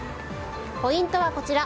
ポイントはこちら。